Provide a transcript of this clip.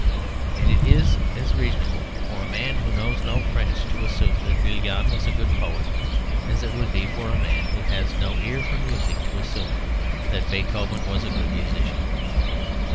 And it is as reasonable for a man who knows no French to assume that Villon was a good poet as it would be for a man who has no ear for music to assume that Beethoven was a good musician.